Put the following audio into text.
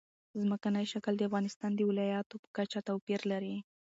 ځمکنی شکل د افغانستان د ولایاتو په کچه توپیر لري.